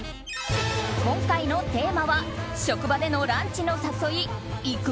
今回のテーマは職場でのランチの誘い行く？